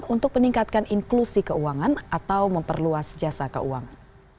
untuk meningkatkan inklusi keuangan atau memperluas jasa keuangan